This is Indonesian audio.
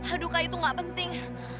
aduh duka itu gak penting